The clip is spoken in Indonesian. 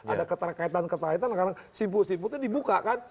ada keterkaitan keterkaitan karena simpul simpul itu dibuka kan